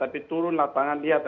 tapi turun lapangan lihat